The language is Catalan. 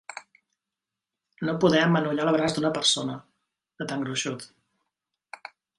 No poder amanollar el braç d'una persona, de tan gruixut.